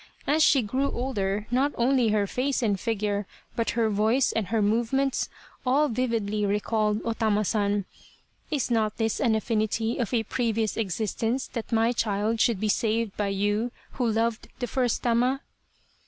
As she grew older not only her face and figure, but her voice and her movements all vividly recalled O Tama San. Is not this an affinity of a previous existence that my child should be saved by you who loved the first Tama